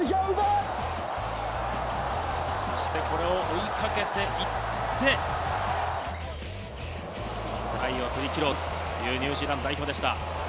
これを追いかけていって、トライを取り切ろうというニュージーランド代表でした。